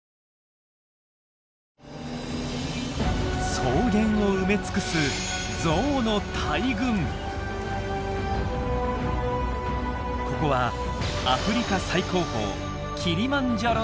草原を埋め尽くすここはアフリカ最高峰キリマンジャロのふもと。